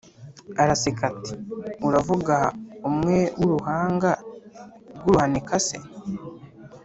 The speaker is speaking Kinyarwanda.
araseka ati"uravuga umwe wuruhanga rwuruhanika se?"